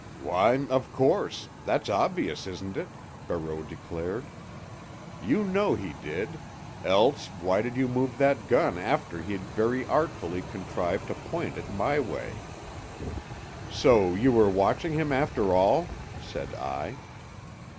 "Why, of course; that's obvious, isn't it?" Barreau declared. "You know he did. Else why did you move that gun after he'd very artfully contrived to point it my way?" "So you were watching him, after all?" said I.